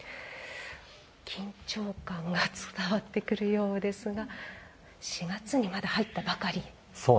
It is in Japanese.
緊張感が伝わってくるようですが４月にまだ入ったばかり。